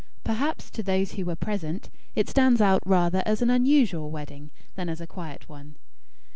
Perhaps, to those who were present, it stands out rather as an unusual wedding, than as a quiet one.